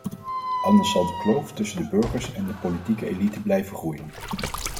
Anders zal de kloof tussen de burgers en de politieke elite blijven groeien.